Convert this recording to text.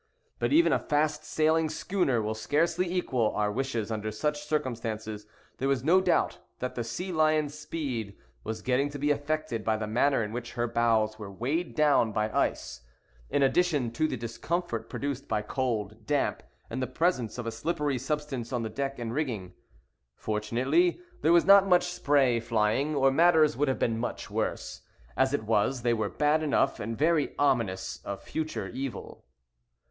But even a fast sailing schooner will scarcely equal our wishes under such circumstances. There was no doubt that the Sea Lion's speed was getting to be affected by the manner in which her bows were weighed down by ice, in addition to the discomfort produced by cold, damp, and the presence of a slippery substance on the deck and rigging. Fortunately there was not much spray flying, or matters would have been much worse. As it was, they were bad enough, and very ominous of future evil.